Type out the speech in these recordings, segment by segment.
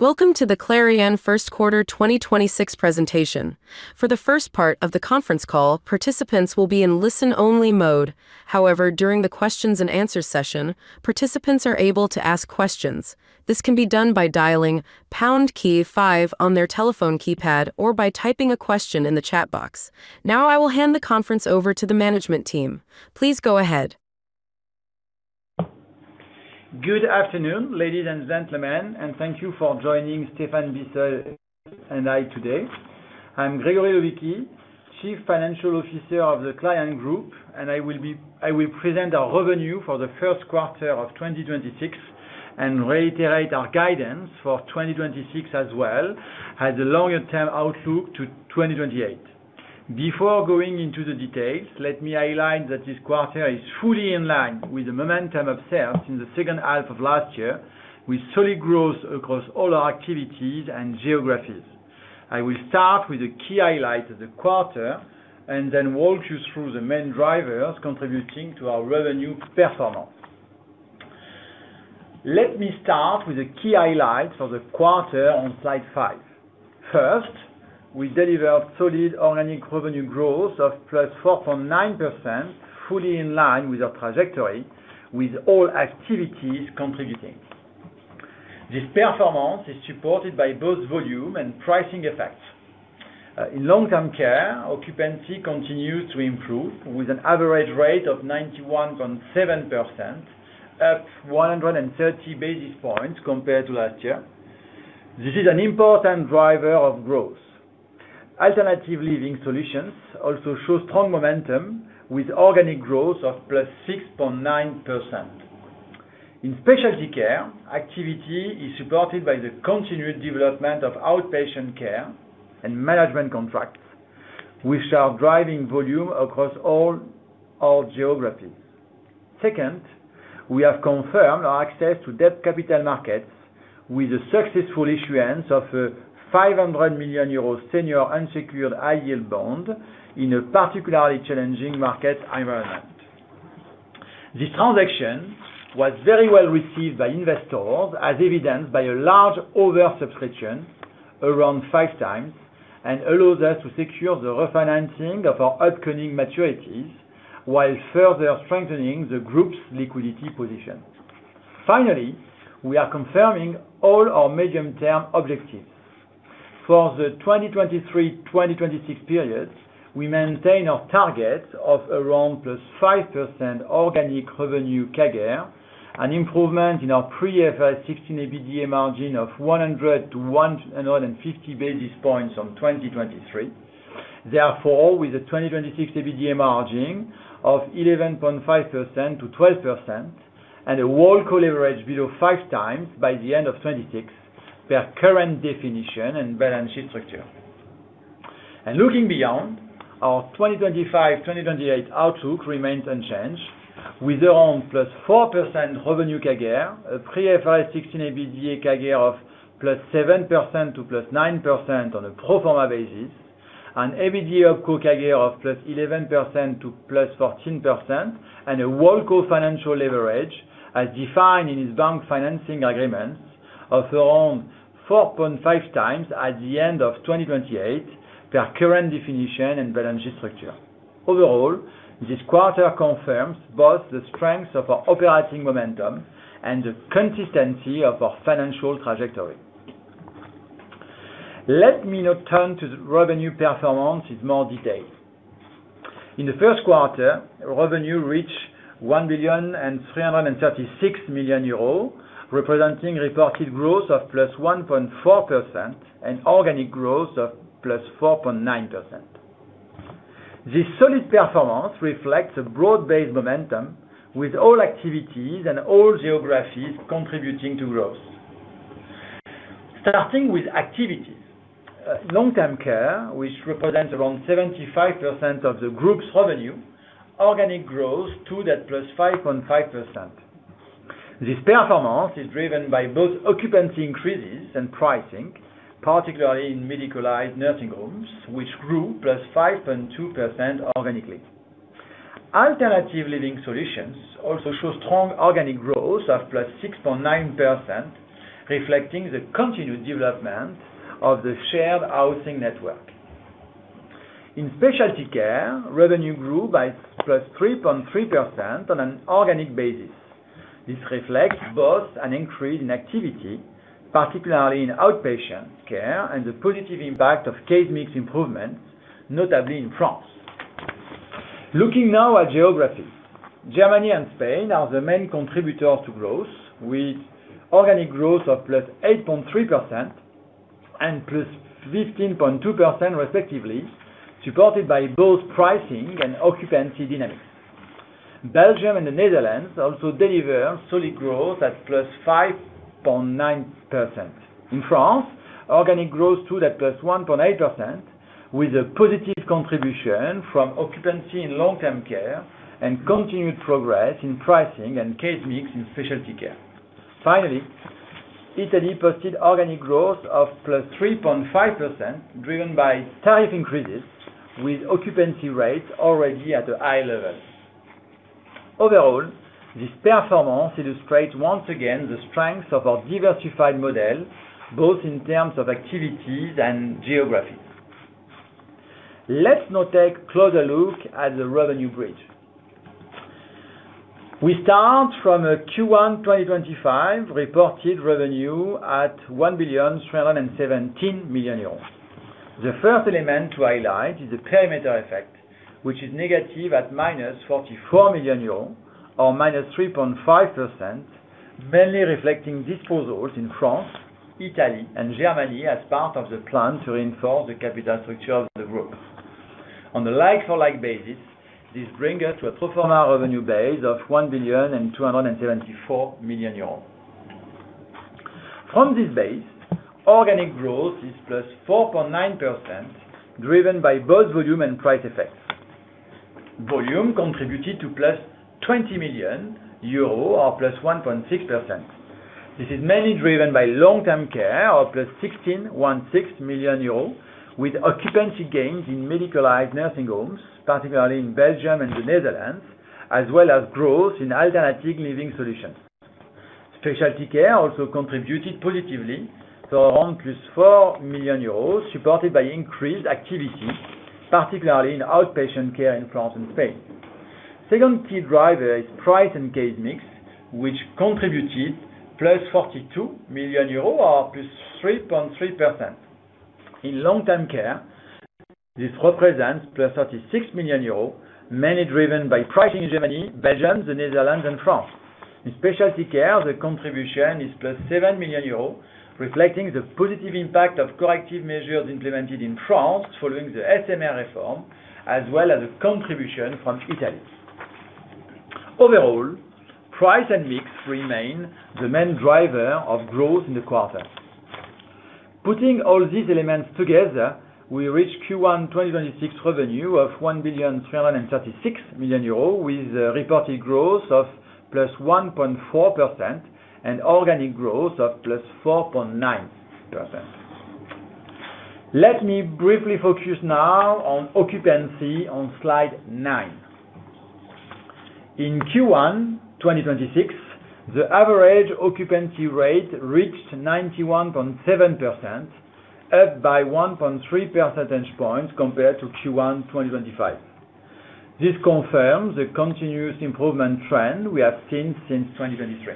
Welcome to the Clariane first quarter 2026 presentation. For the first part of the conference call, participants will be in listen-only mode. However, during the questions and answers session, participants are able to ask questions. This can be done by dialing pound key five on their telephone keypad or by typing a question in the chat box. Now I will hand the conference over to the management team. Please go ahead. Good afternoon, ladies and gentlemen, and thank you for joining Stéphane Bisseuil and me today. I'm Grégory Lovichi, Group Chief Financial Officer of the Clariane Group, and I will present our revenue for the first quarter of 2026 and reiterate our guidance for 2026 as well as the longer-term outlook to 2028. Before going into the details, let me highlight that this quarter is fully in line with the momentum observed in the second half of last year, with solid growth across all our activities and geographies. I will start with the key highlights of the quarter and then walk you through the main drivers contributing to our revenue performance. Let me start with the key highlights of the quarter on slide five. First, we delivered solid organic revenue growth of +4.9%, fully in line with our trajectory, with all activities contributing. This performance is supported by both volume and pricing effects. In long-term care, occupancy continues to improve, with an average rate of 91.7%, up 130 basis points compared to last year. This is an important driver of growth. Alternative living solutions also show strong momentum, with organic growth of +6.9%. In specialty care, activity is supported by the continued development of outpatient care and management contracts, which are driving volume across all our geographies. Second, we have confirmed our access to debt capital markets with the successful issuance of a 500 million euro senior unsecured high-yield bond in a particularly challenging market environment. This transaction was very well received by investors, as evidenced by a large oversubscription around five times and allows us to secure the refinancing of our upcoming maturities while further strengthening the group's liquidity position. Finally, we are confirming all our medium-term objectives. For the 2023-2026 period, we maintain our target of around +5% organic revenue CAGR, an improvement in our pre-IFRS 16 EBITDA margin of 100 basis points to 150 basis points from 2023. Therefore, with a 2026 EBITDA margin of 11.5%-12% and a WholeCo leverage below 5x by the end of 2026, per current definition and balance sheet structure. Looking beyond, our 2025-2028 outlook remains unchanged, with around +4% revenue CAGR, a pre-IFRS 16 EBITDA CAGR of +7% to +9% on a pro forma basis, an EBITDA CAGR of +11% to +14%, and a WholeCo financial leverage as defined in its bank financing agreement of around 4.5x at the end of 2028 per current definition and balance sheet structure. Overall, this quarter confirms both the strength of our operating momentum and the consistency of our financial trajectory. Let me now turn to the revenue performance in more detail. In the first quarter, revenue reached 1,336 million euros representing reported growth of +1.4% and organic growth of +4.9%. This solid performance reflects a broad-based momentum with all activities and all geographies contributing to growth. Starting with activities. Long-term care, which represents around 75% of the group's revenue, organic growth of +5.5%. This performance is driven by both occupancy increases and pricing, particularly in medicalized nursing homes, which grew +5.2% organically. Alternative living solutions also show strong organic growth of +6.9%, reflecting the continued development of the shared housing network. In specialty care, revenue grew by +3.3% on an organic basis. This reflects both an increase in activity, particularly in outpatient care, and the positive impact of case mix improvements, notably in France. Looking now at geographies. Germany and Spain are the main contributors to growth, with organic growth of +8.3% and +15.2% respectively, supported by both pricing and occupancy dynamics. Belgium and the Netherlands also deliver solid growth at +5.9%. In France, organic growth stood at +1.8%, with a positive contribution from occupancy in long-term care and continued progress in pricing and case mix in specialty care. Finally, Italy posted organic growth of +3.5%, driven by tariff increases with occupancy rates already at a high level. Overall, this performance illustrates once again the strengths of our diversified model, both in terms of activities and geographies. Let's now take a closer look at the revenue bridge. We start from a Q1 2025 reported revenue at 1,317 million euros. The first element to highlight is the perimeter effect, which is negative at -44 million euros or -3.5%, mainly reflecting disposals in France, Italy, and Germany as part of the plan to reinforce the capital structure of the group. On a like-for-like basis, this brings us to a pro forma revenue base of 1,274 million euros. From this base, organic growth is +4.9%, driven by both volume and price effects. Volume contributed to +20 million euros or +1.6%. This is mainly driven by long-term care of +16.16 million euros, with occupancy gains in medicalized nursing homes, particularly in Belgium and the Netherlands, as well as growth in alternative living solutions. Specialty care also contributed positively to around +4 million euros, supported by increased activities, particularly in outpatient care in France and Spain. Second key driver is price and case mix, which contributed +42 million euros or +3.3%. In long-term care, this represents +36 million euros, mainly driven by pricing in Germany, Belgium, the Netherlands and France. In specialty care, the contribution is +7 million euros, reflecting the positive impact of corrective measures implemented in France following the SMR reform, as well as a contribution from Italy. Overall, price and mix remain the main driver of growth in the quarter. Putting all these elements together, we reach Q1 2026 revenue of 1,336 million euros with a reported growth of +1.4% and organic growth of +4.9%. Let me briefly focus now on occupancy on slide nine. In Q1 2026, the average occupancy rate reached 91.7%, up by 1.3 percentage points compared to Q1 2025. This confirms the continuous improvement trend we have seen since 2023.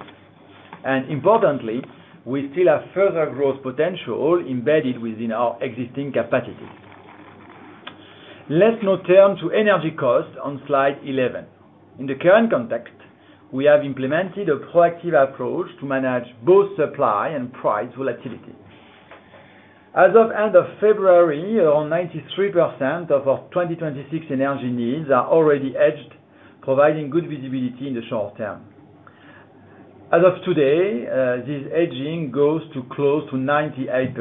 Importantly, we still have further growth potential embedded within our existing capacities. Let's now turn to energy costs on slide 11. In the current context, we have implemented a proactive approach to manage both supply and price volatility. As of end of February, around 93% of our 2026 energy needs are already hedged, providing good visibility in the short term. As of today, this hedging goes to close to 98%.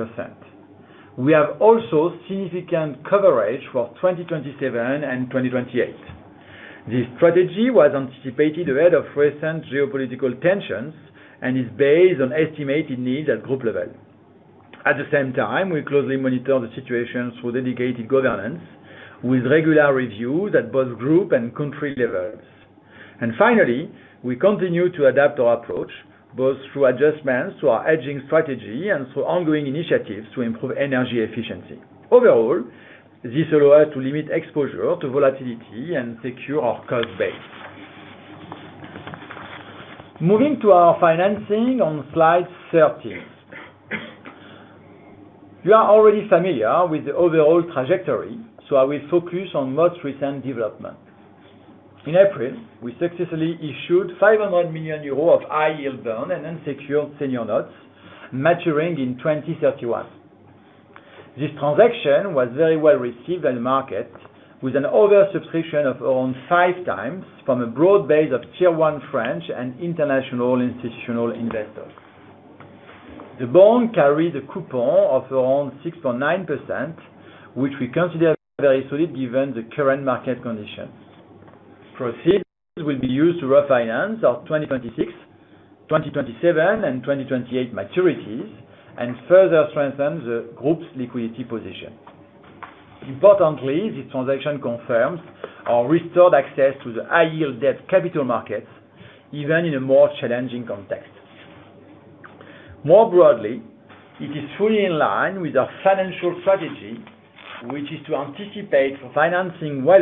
We have also significant coverage for 2027 and 2028. This strategy was anticipated ahead of recent geopolitical tensions and is based on estimated needs at group level. At the same time, we closely monitor the situations with dedicated governance, with regular reviews at both group and country levels. Finally, we continue to adapt our approach, both through adjustments to our hedging strategy and through ongoing initiatives to improve energy efficiency. Overall, this allows us to limit exposure to volatility and secure our cost base. Moving to our financing on slide 13. You are already familiar with the overall trajectory, so I will focus on most recent developments. In April, we successfully issued 500 million euros of high-yield bond and then secured senior notes maturing in 2031. This transaction was very well received by the market, with an oversubscription of around five times from a broad base of Tier 1 French and international institutional investors. The bond carried a coupon of around 6.9%, which we consider very solid given the current market conditions. Proceeds will be used to refinance our 2026, 2027, and 2028 maturities and further strengthen the group's liquidity position. Importantly, this transaction confirms our restored access to the high-yield debt capital markets, even in a more challenging context. More broadly, it is fully in line with our financial strategy, which is to anticipate for financing well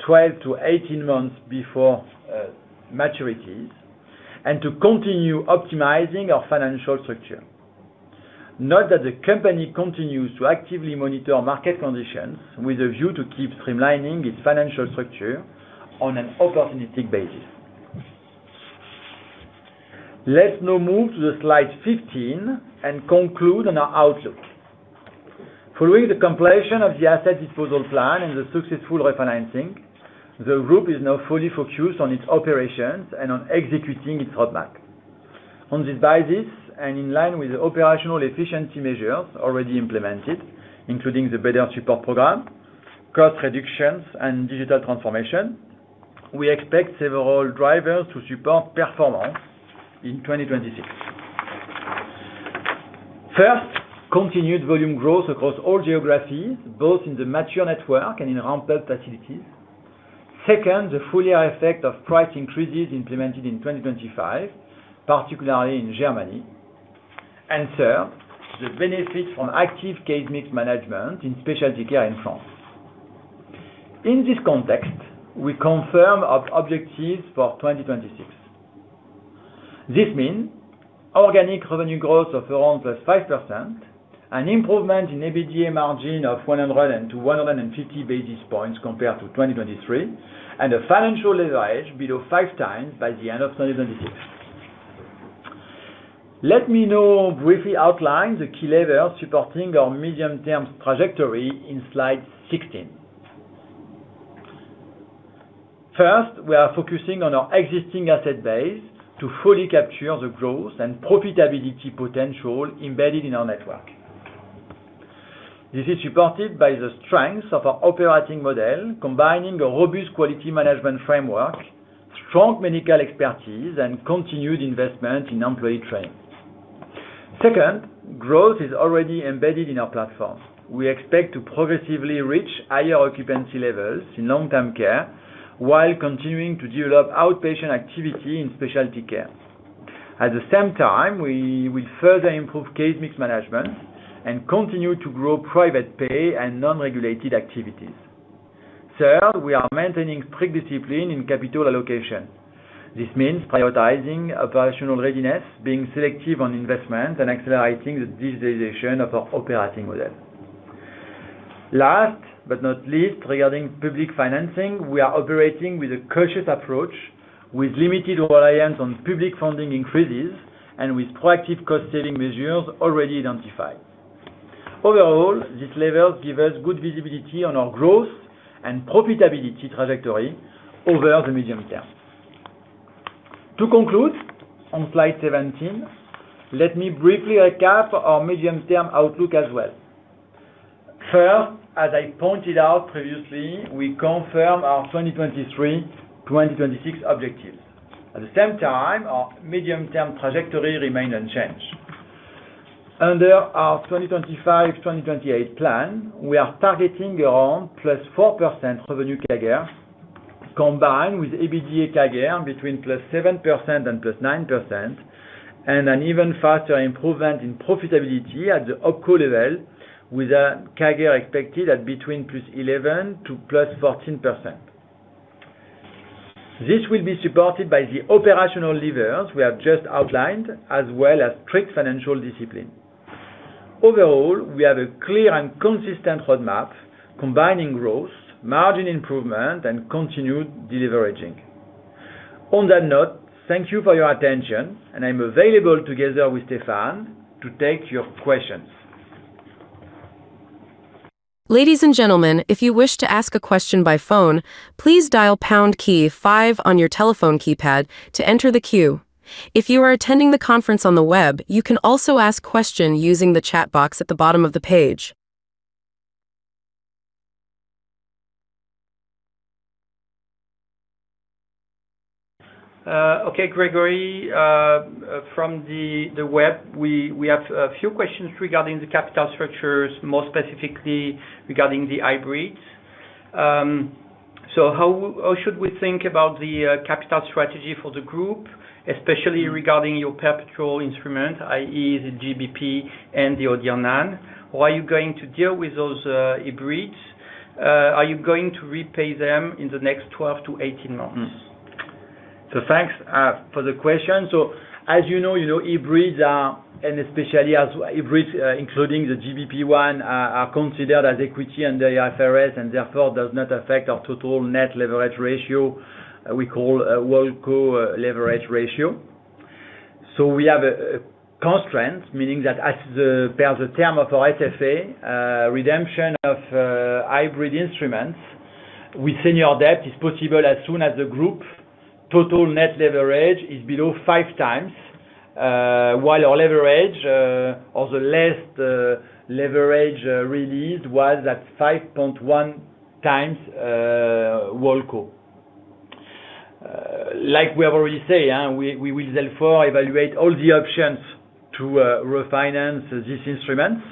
ahead, 12 to 18 months before maturities, and to continue optimizing our financial structure. Note that the company continues to actively monitor market conditions with a view to keep streamlining its financial structure on an opportunistic basis. Let's now move to Slide 15 and conclude on our outlook. Following the completion of the asset disposal plan and the successful refinancing, the group is now fully focused on its operations and on executing its roadmap. On this basis, and in line with the operational efficiency measures already implemented, including the Better Support program, cost reductions, and digital transformation, we expect several drivers to support performance in 2026. First, continued volume growth across all geographies, both in the mature network and in ramped facilities. Second, the full-year effect of price increases implemented in 2025, particularly in Germany. Third, the benefit from active case mix management in specialty care in France. In this context, we confirm our objectives for 2026. This means organic revenue growth of around +5%, an improvement in EBITDA margin of 100 basis points to 150 basis points compared to 2023, and a financial leverage below 5x by the end of 2026. Let me now briefly outline the key levers supporting our medium-term trajectory on slide 16. First, we are focusing on our existing asset base to fully capture the growth and profitability potential embedded in our network. This is supported by the strengths of our operating model, combining a robust quality management framework, strong medical expertise, and continued investment in employee training. Second, growth is already embedded in our platform. We expect to progressively reach higher occupancy levels in long-term care while continuing to develop outpatient activity in specialty care. At the same time, we will further improve case mix management and continue to grow private pay and non-regulated activities. Third, we are maintaining strict discipline in capital allocation. This means prioritizing operational readiness, being selective on investment, and accelerating the digitization of our operating model. Last but not least, regarding public financing, we are operating with a cautious approach with limited reliance on public funding increases and with proactive cost-saving measures already identified. Overall, these levels give us good visibility on our growth and profitability trajectory over the medium term. To conclude, on slide 17, let me briefly recap our medium-term outlook as well. First, as I pointed out previously, we confirm our 2023-2026 objectives. At the same time, our medium-term trajectory remains unchanged. Under our 2025-2028 plan, we are targeting around +4% revenue CAGR, combined with EBITDA CAGR between +7% and +9%, and an even faster improvement in profitability at the OpCo level with a CAGR expected at between +11% to +14%. This will be supported by the operational levers we have just outlined, as well as strict financial discipline. Overall, we have a clear and consistent roadmap combining growth, margin improvement, and continued deleveraging. On that note, thank you for your attention, and I'm available together with Stéphane to take your questions. Ladies and gentlemen, if you wish to ask a question by phone, please dial pound key five on your telephone keypad to enter the queue. If you are attending the conference on the web, you can also ask questions using the chat box at the bottom of the page. Okay, Grégory, from the web, we have a few questions regarding the capital structures, more specifically regarding the hybrids. How should we think about the capital strategy for the group, especially regarding your perpetual instrument, i.e., the GBP and the ODIRNANE? How are you going to deal with those hybrids? Are you going to repay them in the next 12 to 18 months? Thanks for the question. As you know, hybrids, and especially hybrids including the GBP one, are considered as equity under IFRS and therefore does not affect our total net leverage ratio, we call WholeCo leverage ratio. We have a constraint, meaning that as per the term of our IFA, redemption of hybrid instruments with senior debt is possible as soon as the group total net leverage is below 5x, while our leverage or the last leverage released was at 5.1x WholeCo. Like we have already said, we will therefore evaluate all the options to refinance these instruments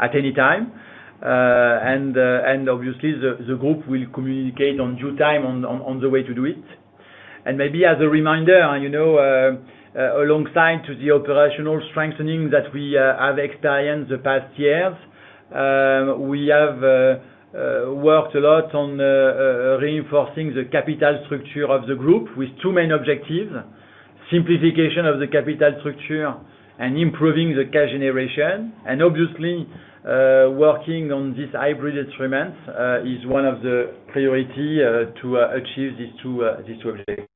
at any time. Obviously, the group will communicate in due time on the way to do it. Maybe as a reminder, alongside the operational strengthening that we have experienced the past years, we have worked a lot on reinforcing the capital structure of the group with two main objectives. Simplification of the capital structure and improving the cash generation. Obviously, working on this hybrid instrument is one of the priorities to achieve these two objectives.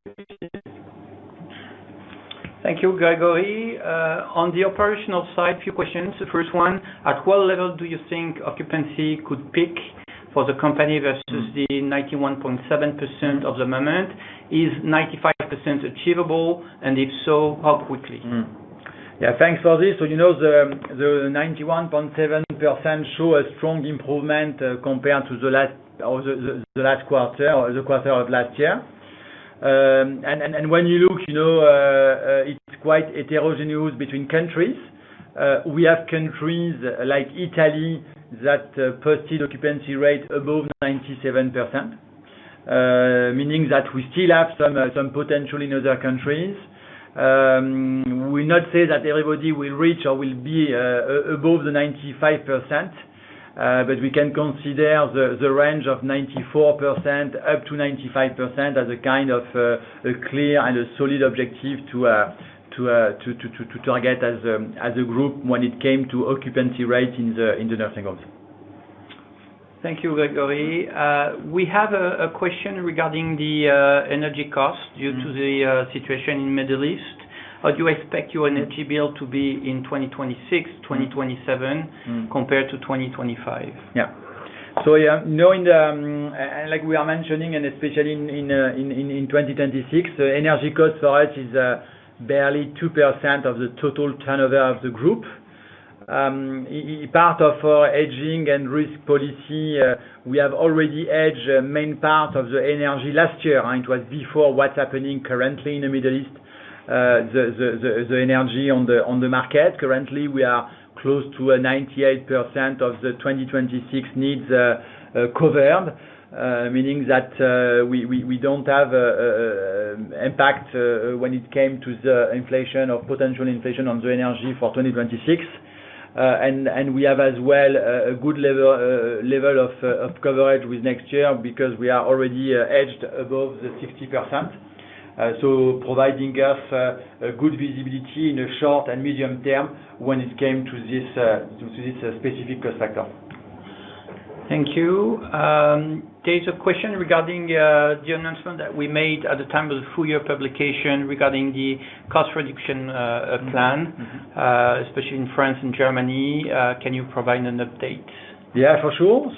Thank you, Grégory. On the operational side, a few questions. The first one, at what level do you think occupancy could peak for the company versus the 91.7% at the moment? Is 95% achievable, and if so, how quickly? Yeah, thanks for this. You know the 91.7% show a strong improvement compared to the last quarter or the quarter of last year. When you look, it's quite heterogeneous between countries. We have countries like Italy that posted occupancy rate above 97%, meaning that we still have some potential in other countries. We not say that everybody will reach or will be above the 95%, but we can consider the range of 94%-95% as a kind of a clear and a solid objective to target as a group when it came to occupancy rate in the nursing homes. Thank you, Grégory. We have a question regarding the energy cost due to the situation in Middle East. How do you expect your energy bill to be in 2026, 2027 compared to 2025? Yeah. Like we are mentioning, and especially in 2026, energy cost for us is barely 2% of the total turnover of the group. Part of our hedging and risk policy, we have already hedged main part of the energy last year, and it was before what's happening currently in the Middle East. The energy on the market currently, we are close to a 98% of the 2026 needs covered, meaning that we don't have impact when it came to the inflation or potential inflation on the energy for 2026. We have as well a good level of coverage with next year because we are already hedged above the 60%. Providing us a good visibility in the short and medium term when it came to this specific cost factor. Thank you. There is a question regarding the announcement that we made at the time of the full year publication regarding the cost reduction plan, especially in France and Germany. Can you provide an update? Yeah, for sure.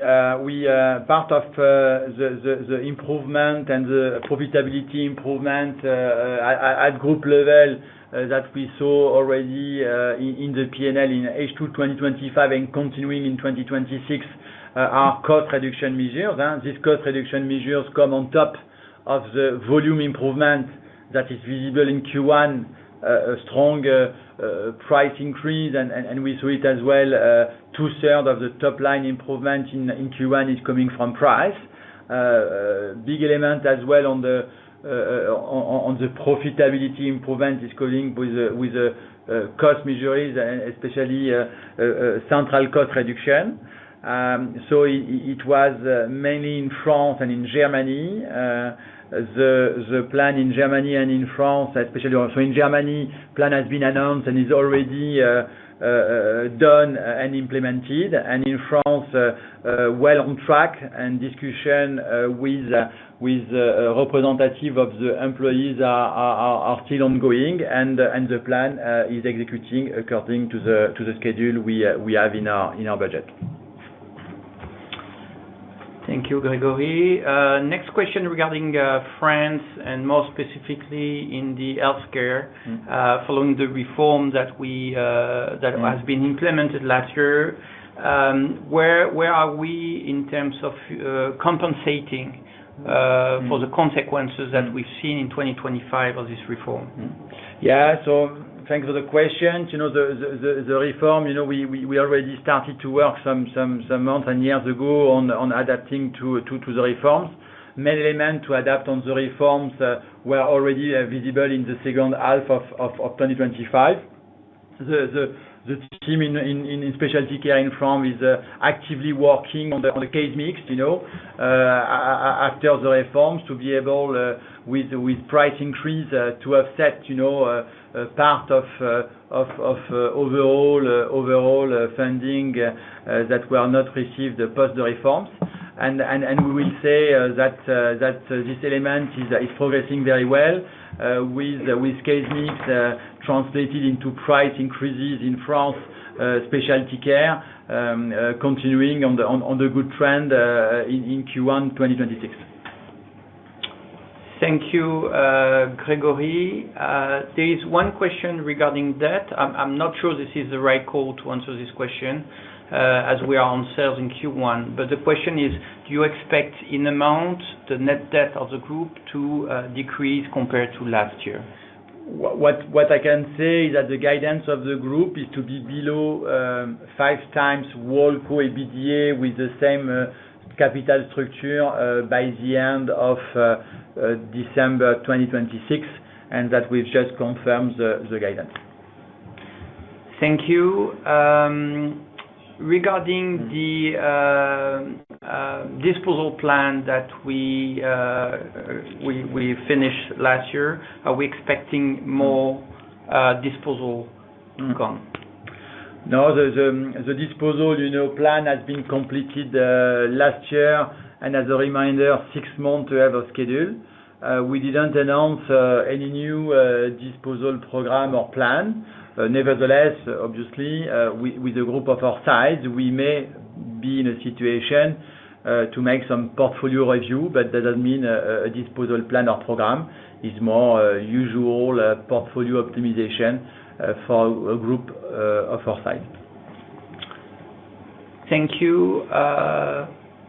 Part of the improvement and the profitability improvement at group level that we saw already in the P&L in H2 2025 and continuing in 2026 are cost reduction measures. These cost reduction measures come on top of the volume improvement that is visible in Q1, a strong price increase. We saw it as well, 2/3 of the top line improvement in Q1 is coming from price. Big element as well on the profitability improvement is coming with the cost measures, especially central cost reduction. It was mainly in France and in Germany. The plan in Germany and in France, especially also in Germany, has been announced and is already done and implemented. In France, well on track and discussion with representative of the employees are still ongoing. The plan is executing according to the schedule we have in our budget. Thank you, Grégory. Next question regarding France and more specifically in the healthcare. Following the reform that has been implemented last year, where are we in terms of compensating for the consequences that we've seen in 2025 of this reform? Yeah. Thanks for the question. The reform, we already started to work some months and years ago on adapting to the reforms. Main element to adapt on the reforms were already visible in the second half of 2025. The team in specialty care in France is actively working on the case mix after the reforms to be able with price increase to offset a part of overall funding that were not received post the reforms. We will say that this element is progressing very well with case mix translated into price increases in France specialty care continuing on the good trend in Q1 2026. Thank you, Grégory. There is one question regarding debt. I'm not sure this is the right call to answer this question, as we are on sales in Q1. The question is: Do you expect in amount the net debt of the group to decrease compared to last year? What I can say is that the guidance of the group is to be below 5x WholeCo EBITDA with the same capital structure by the end of December 2026, and that we've just confirmed the guidance. Thank you. Regarding the disposal plan that we finished last year, are we expecting more disposal going on? No, the disposal plan has been completed last year. As a reminder, six months we have scheduled. We didn't announce any new disposal program or plan. Nevertheless, obviously, with a group of our size, we may be in a situation to make some portfolio review. That doesn't mean a disposal plan or program. It's more usual portfolio optimization for a group of our size. Thank you.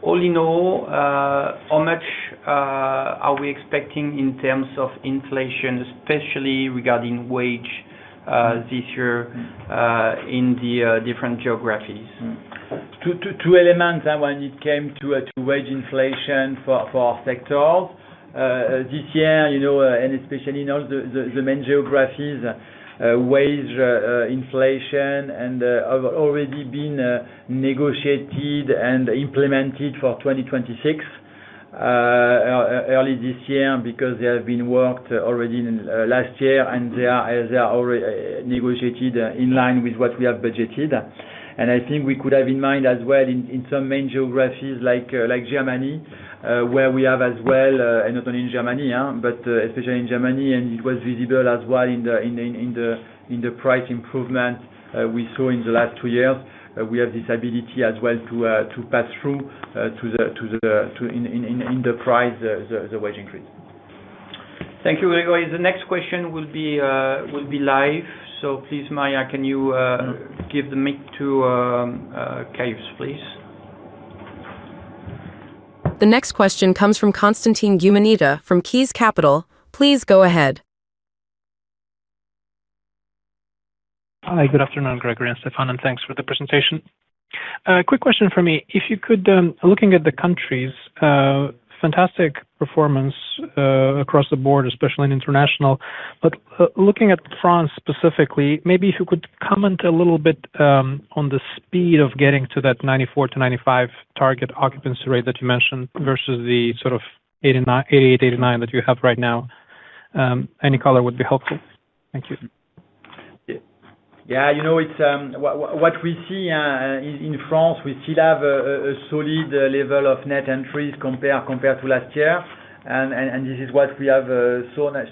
All in all, how much are we expecting in terms of inflation, especially regarding wage this year, in the different geographies? Two elements when it came to wage inflation for our sector. This year, and especially in all the main geographies, wage inflation and have already been negotiated and implemented for 2026, early this year, because they have been worked already last year, and they are already negotiated in line with what we have budgeted. I think we could have in mind as well, in some main geographies like Germany, where we have as well, and not only in Germany, but especially in Germany, and it was visible as well in the price improvement we saw in the last two years, we have this ability as well to pass through in the price, the wage increase. Thank you, Grégory. The next question will be live. Please, Maya, can you give the mic to Caius, please? The next question comes from Constantin Gumenita from Caius Capital. Please go ahead. Hi. Good afternoon, Grégory and Stéphane, and thanks for the presentation. A quick question from me. If you could, looking at the countries, fantastic performance across the board, especially in international. Looking at France specifically, maybe if you could comment a little bit on the speed of getting to that 94%-95% target occupancy rate that you mentioned versus the sort of 88%-89% that you have right now. Any color would be helpful. Thank you. Yeah. What we see in France, we still have a solid level of net entries compared to last year. This is what we have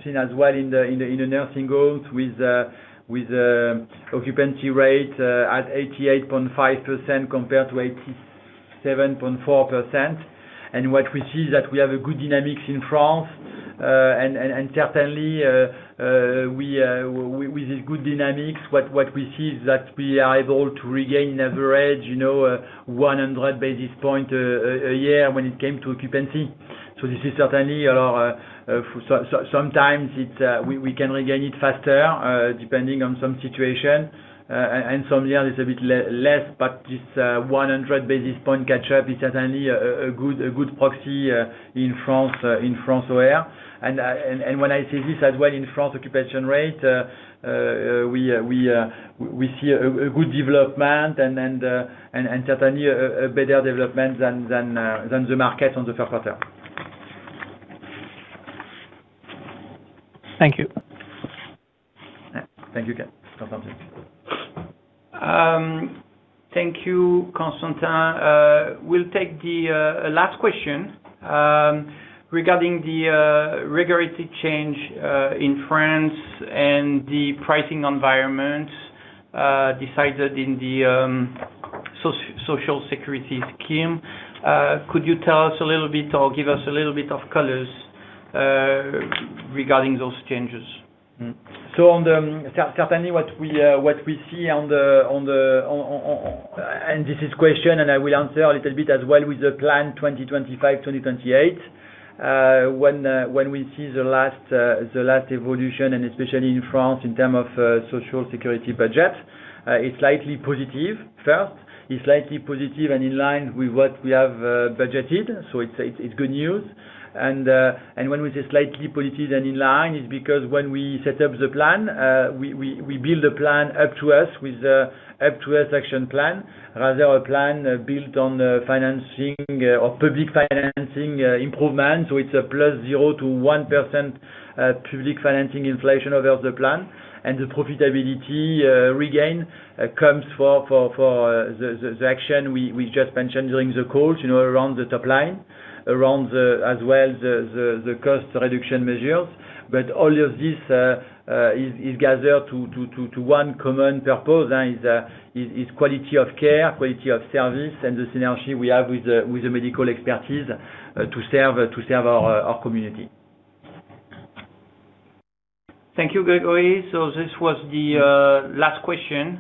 seen as well in the nursing homes with occupancy rate at 88.5% compared to 87.4%. What we see is that we have a good dynamics in France. Certainly, with this good dynamics, what we see is that we are able to regain average 100 basis point a year when it came to occupancy. This is certainly. Sometimes, we can regain it faster, depending on some situation. Some years it's a bit less, but this 100 basis point catch-up is certainly a good proxy in France overall. When I say this as well, in France occupancy rate, we see a good development, and certainly, a better development than the market on the third quarter. Thank you. Thank you, Constantin. Thank you, Constantin. We'll take the last question regarding the regulatory change in France and the pricing environment decided in the social security scheme. Could you tell us a little bit or give us a little bit of color regarding those changes? Certainly, this is the question, and I will answer a little bit as well with the 2025-2028 plan. When we see the latest evolution and especially in France in terms of Social Security budget, it's slightly positive, first. It's slightly positive and in line with what we have budgeted. It's good news. When we say slightly positive and in line, it's because when we set up the plan, we build a plan upon this with the At Your Side action plan, rather a plan built on public financing improvement. It's a +0%-1% public financing inflation over the plan. The profitability regain comes from the action we just mentioned during the call, around the top line, around as well the cost reduction measures. All of this is gathered to one common purpose, and it's quality of care, quality of service, and the synergy we have with the medical expertise to serve our community. Thank you, Grégory. This was the last question.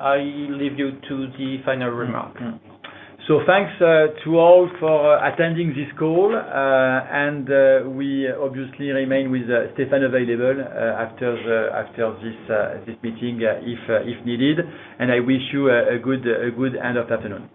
I leave you to the final remark. Thanks to all for attending this call, and we obviously remain with Stéphane available after this meeting, if needed. I wish you a good end of afternoon.